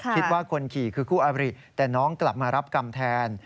คิดว่าคนขี่คือคู่อบริแต่น้องกลับมารับกรรมแทน